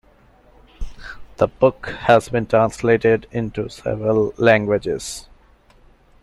The book has been translated into several languages.